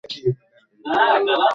তিনি পুনরায় গ্রেফতার হন।